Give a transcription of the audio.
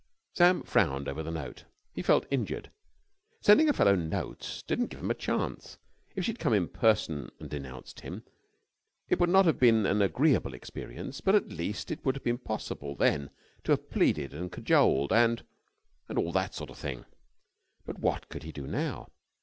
Sam frowned over the note. He felt injured. Sending a fellow notes didn't give him a chance. If she had come in person and denounced him it would not have been an agreeable experience, but at least it would have been possible then to have pleaded and cajoled and and all that sort of thing. But what could he do now?